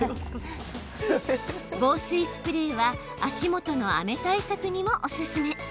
防水スプレーは足元の雨対策にもおすすめ。